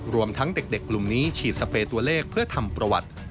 รวมทั้งเด็กกลุ่มนี้ฉีดสเปรย์ตัวเลขเพื่อทำประวัติ